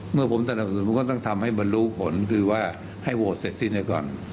เมื่อผมตั้งแต่ประสุทธิ์ก็ต้องทำให้มันรู้ผลคือว่าให้โหวตเสร็จสิ้นก่อน